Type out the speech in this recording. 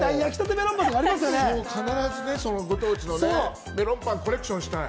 必ずご当地のね、メロンパンをコレクションしたい！